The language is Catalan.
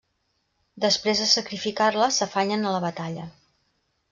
Després de sacrificar-la, s'afanyen a la batalla.